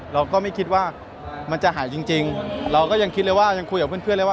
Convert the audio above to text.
เราก็ไม่คิดว่ามันจะหายจริงเราก็ยังคิดเลยว่ายังคุยกับเพื่อนเลยว่า